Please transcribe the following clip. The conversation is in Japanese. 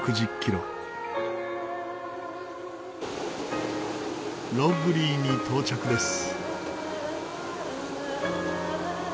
ロッブリーに到着です。